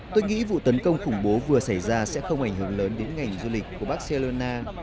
tôi nghĩ vụ tấn công khủng bố vừa xảy ra sẽ không ảnh hưởng lớn đến ngành du lịch của barcelona